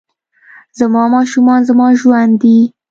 زما ماشومان زما ژوند دي